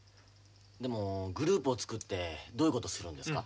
でもグループを作ってどういうことをするんですか？